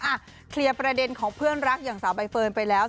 อ่ะเคลียร์ประเด็นของเพื่อนรักอย่างสาวใบเฟิร์นไปแล้ว